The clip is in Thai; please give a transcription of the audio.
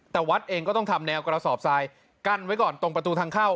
แต่วัดเองก็ต้องทำแนวกระสอบทรายกั้นไว้ก่อนตรงประตูทางเข้า